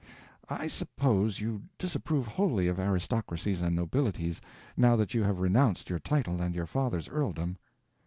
"I suppose you disapprove wholly of aristocracies and nobilities, now that you have renounced your title and your father's earldom."